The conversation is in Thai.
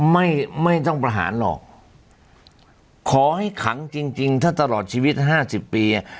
ไม่ไม่ต้องประหารหรอกขอให้ขังจริงจริงถ้าตลอดชีวิตห้าสิบปีอ่ะ